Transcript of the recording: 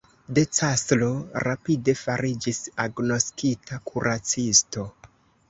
De Castro rapide fariĝis agnoskita kuracisto.